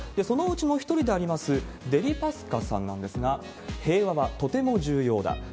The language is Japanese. そのうちの１人であります、デリパスカさんなんですが、平和はとても重要だ。